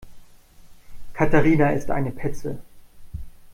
Katharina ist eine Petze.